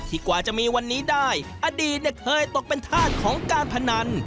กว่าจะมีวันนี้ได้อดีตเนี่ยเคยตกเป็นธาตุของการพนัน